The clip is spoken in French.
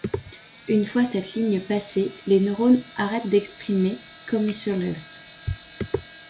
Une fois cette ligne passée, les neurones arrêtent d'exprimer Commissurless.